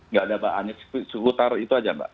nggak ada mbak hanya cukup taruh itu aja mbak